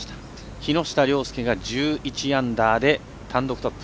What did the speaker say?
木下稜介が１１アンダーで単独トップ。